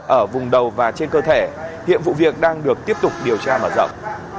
ở vùng đầu và trên cơ thể hiện vụ việc đang được tiếp tục điều tra mở rộng